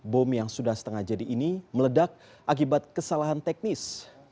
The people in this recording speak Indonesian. bom yang sudah setengah jadi ini meledak akibat kesalahan teknis